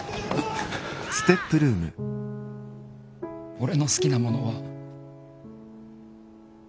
俺の好きなものは。